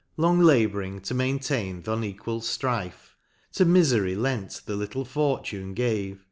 Long labouring to maintain th' unequal ftrife. To mifery lent the little fortune gave.